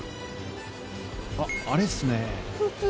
あっあれですね。